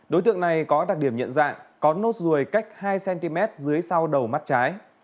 đối tượng này có đặc điểm nhận dạng có nốt ruồi cách hai cm dưới sau đầu mắt trái